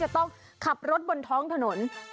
หันไปมองกระตุกผู้โทษภาพดิ